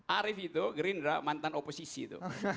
arief itu gerindra mantan oposisi itu